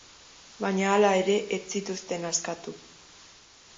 Baina hala ere ez zituzten askatu.